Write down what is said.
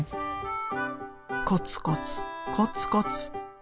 コツコツコツコツ。